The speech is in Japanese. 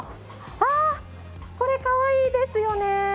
あー、これかわいいですよね。